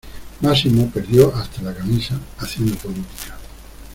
Máximo perdió hasta la camisa, haciendo política.